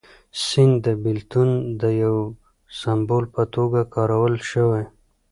سیند د بېلتون د یو سمبول په توګه کارول شوی.